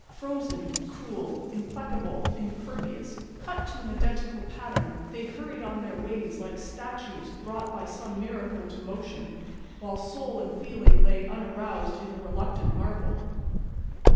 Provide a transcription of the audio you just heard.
Frozen, cruel, implacable, impervious, cut to an identical pattern, they hurried on their ways like statues brought by some miracles to motion, while soul and feeling lay unaroused in the reluctant marble.